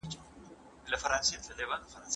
د لیکوالو یادونه زموږ د ادبي ژوند روح دی.